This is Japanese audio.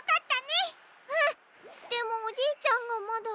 でもおじいちゃんがまだ。